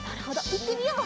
いってみよう。